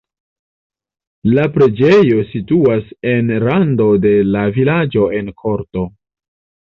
La preĝejo situas en rando de la vilaĝo en korto.